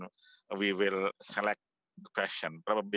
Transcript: mungkin kami bisa memberi pertanyaan ke anda nanti